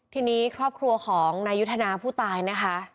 ทีนี้ครอบครัวของนายยุทธนาผู้ตายนะคะ